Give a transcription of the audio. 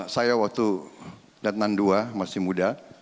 saya waktu datenan dua masih muda